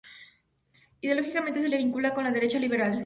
Ideológicamente se le vincula con la derecha liberal.